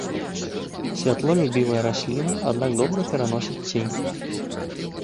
Святлолюбівая расліна, аднак добра пераносіць цень.